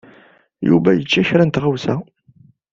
Yuba yečča kra n tɣawsa.